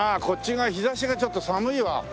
こっち側日差しがちょっと寒いわ。